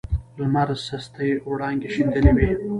لمر سستې وړانګې شیندلې وې.